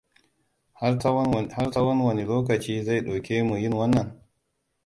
Har tsawon wani lokaci zai ɗauke mu yin wannan?